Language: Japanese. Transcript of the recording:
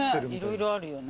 色々あるよね。